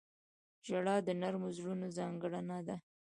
• ژړا د نرمو زړونو ځانګړنه ده.